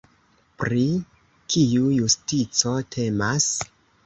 Pri kiu justico temas?